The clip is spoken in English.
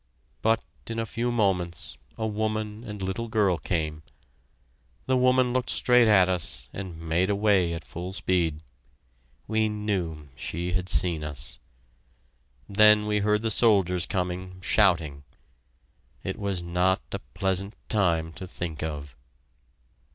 But in a few moments a woman and little girl came. The woman looked straight at us, and made away at full speed. We knew she had seen us. Then we heard the soldiers coming, shouting. It was not a pleasant time to think of.